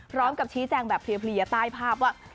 พร้อมกับชี้แจงแบบเพลียใต้ภาพว่า